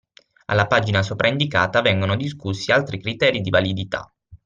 Alla pagina sopraindicata vengono discussi altri criteri di validità